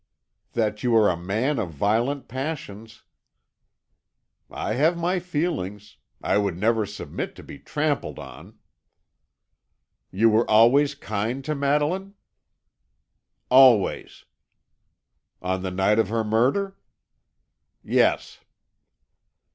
"That you are a man of violent passions." "I have my feelings. I would never submit to be trampled on." "You were always kind to Madeline?" "Always." "On the night of her murder?" "Yes."